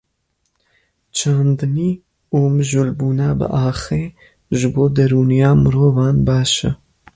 Çandinî û mijûlbûna bi axê ji bo derûniya mirovan baş e.